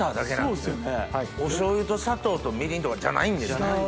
お醤油と砂糖とみりんとかじゃないんですね。